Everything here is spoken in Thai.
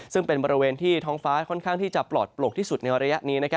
ซึ่งเป็นบริเวณที่ท้องฟ้าค่อนข้างที่จะปลอดโปรกที่สุดในระยะนี้